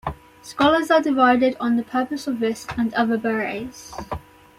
Scholars are divided on the purpose of this and other barays.